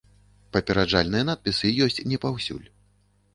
Папераджальныя надпісы ёсць не паўсюль.